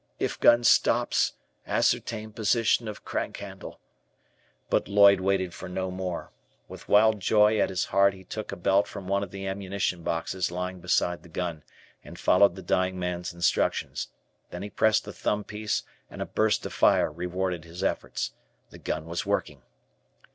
If gun stops, ascertain position of crank handle " But Lloyd waited for no more. With wild joy at his heart, he took a belt from one of the ammunition boxes lying beside the gun, and followed the dying man's instructions. Then he pressed the thumb piece, and a burst of fire rewarded his efforts. The gun was working.